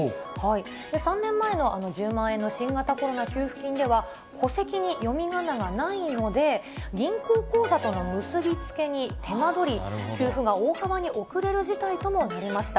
３年前の１０万円の新型コロナ給付金では、戸籍に読みがながないので、銀行口座との結び付けに手間取り、給付が大幅に遅れる事態ともなりました。